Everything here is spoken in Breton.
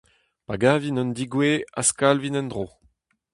Pa gavin un degouezh, az kalvin en-dro.